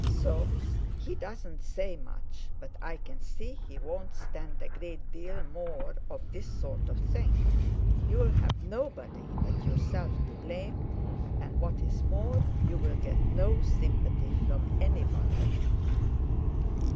Soames he doesn't say much, but I can see he won't stand a great deal more of this sort of thing. You'll have nobody but yourself to blame, and, what's more, you'll get no sympathy from anybody."